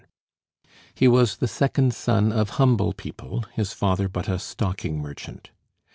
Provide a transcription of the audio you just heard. He was the second son of humble people his father but a stocking merchant.